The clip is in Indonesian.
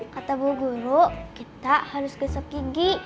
kata bu guru kita harus kesep gigi